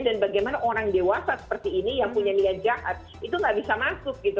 dan bagaimana orang dewasa seperti ini yang punya niat jahat itu nggak bisa masuk gitu